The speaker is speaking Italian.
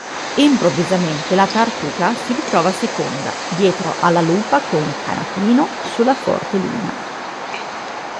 Improvvisamente la Tartuca si ritrova seconda, dietro alla Lupa con "Canapino" sulla forte Lina.